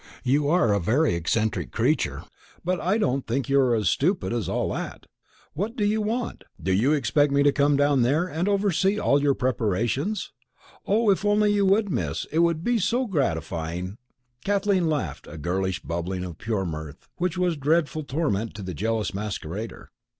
"You are a very eccentric creature, but I don't think you are as stupid as all that. What do you want? Do you expect me to come down here and oversee all your preparations?" "Oh, if you only would, Miss, it would be so gratifying!" Kathleen laughed, a girlish bubbling of pure mirth, which was dreadful torment to the jealous masquerader.